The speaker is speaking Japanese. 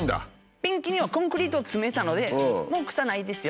便器にはコンクリートを詰めたのでもう臭ないですよ。